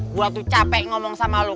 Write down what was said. gua tuh capek ngomong sama lu